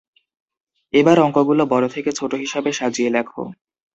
এবার অঙ্কগুলো বড় থেকে ছোট হিসাবে সাজিয়ে লেখো।